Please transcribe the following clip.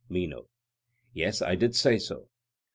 MENO: Yes, I did say so.